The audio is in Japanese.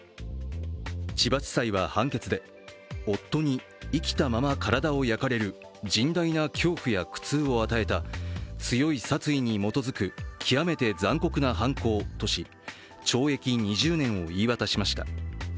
千葉地裁は判決で、夫に生きたまま体を焼かれる甚大な恐怖や苦痛を与えた強い殺意に基づく極めて残酷な犯行とし、懲役２０年を言い渡しました。